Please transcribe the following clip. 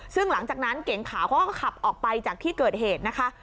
ซึ่งหลังจากนั้นเก๋งขาวเขาก็ขับออกไปจากที่เกิดเหตุนะคะ